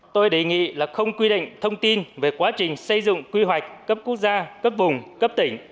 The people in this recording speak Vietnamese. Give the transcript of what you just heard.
tôi đề nghị là không quy định thông tin về quá trình xây dựng quy hoạch cấp quốc gia cấp vùng cấp tỉnh